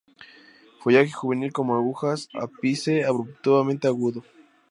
Follaje juvenil como agujas, ápice abruptamente agudo.